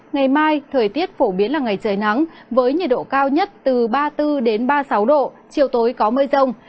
ngày mai thời tiết phổ biến là ngày trời nắng với nhiệt độ cao nhất từ ba mươi bốn ba mươi sáu độ chiều tối có mưa rông